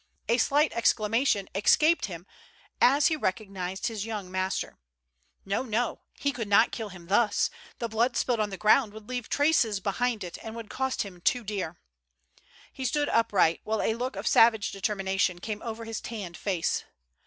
A slight exclamation escaped him as he recognized his young master. No, no, he could not kill him thus : the blood spilled on the ground would leave traces behind it, and would cost him too dear. He stood upright, while a look of savage determination came over his tanned face.